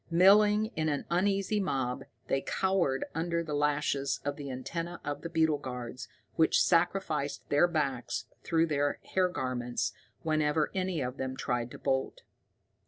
Milling in an uneasy mob, they cowered under the lashes of the antenna of the beetle guards, which sacrificed their backs through their hair garments whenever any of them tried to bolt.